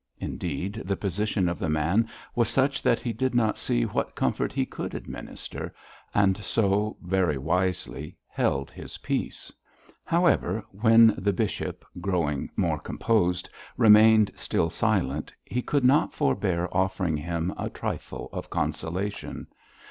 Indeed, the position of the man was such that he did not see what comfort he could administer, and so, very wisely, held his peace. However, when the bishop, growing more composed, remained still silent, he could not forbear offering him a trifle of consolation.